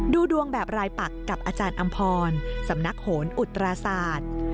ดูดวงแบบรายปักกับอาจารย์อำพรสำนักโหนอุตราศาสตร์